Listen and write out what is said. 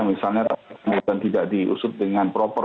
misalnya kemudian tidak diusut dengan proper